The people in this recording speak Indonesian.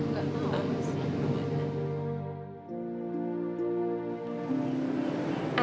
ya saya enggak tau